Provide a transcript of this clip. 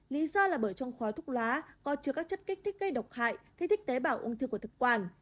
lý do là bởi trong khói thuốc lá có chứa các chất kích thích gây độc hại khi thích tế bào ung thư của thực quản